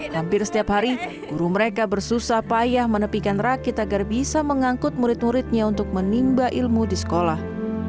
hampir setiap hari guru mereka bersusah payah menepikan rakit agar bisa mengangkut murid muridnya untuk menimba ilmu di sekolah